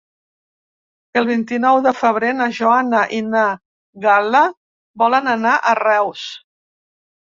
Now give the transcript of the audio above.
El vint-i-nou de febrer na Joana i na Gal·la volen anar a Reus.